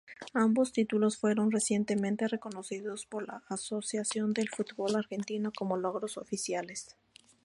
Ambos títulos fueron recientemente reconocidos por la Asociación del Fútbol Argentino, como logros oficiales.